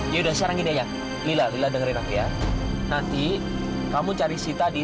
yaudah sekarang gini ya lila dengerin aku ya nanti kamu cari sita di